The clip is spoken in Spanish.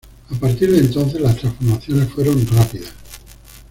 A partir de entonces las transformaciones fueron rápidas.